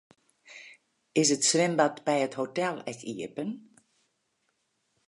Is it swimbad by it hotel ek iepen?